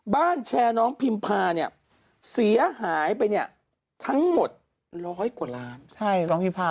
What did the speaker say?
บ้านแชร์น้องพิมพาเสียหายไปทั้งหมดร้อยกว่าล้าน